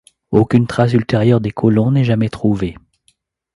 Aucune trace ultérieure des colons n'est jamais trouvée.